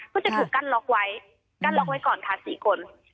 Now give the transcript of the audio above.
ก็จะถูกกั้นล็อคไว้ก่อนค่ะ๔คน